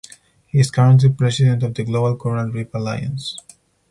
He is currently President of the Global Coral Reef Alliance.